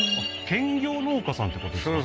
兼業農家さんってことですか？